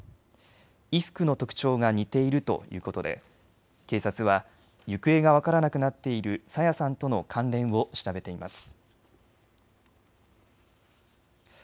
衣服の特徴が似ているということで警察は行方が分からなくなっている朝芽さんとの関連を調べています。